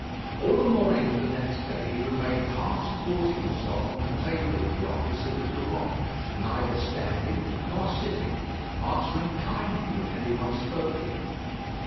All the morning of the next day he remained half supporting himself on the table of the office of the Durande, neither standing nor sitting: answering kindly when anyone spoke to him.